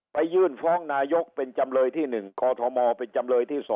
ยื่นฟ้องนายกเป็นจำเลยที่๑กอทมเป็นจำเลยที่๒